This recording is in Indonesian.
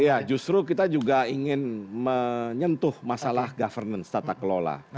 iya justru kita juga ingin menyentuh masalah governance tata kelola